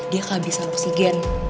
dia kehabisan oksigen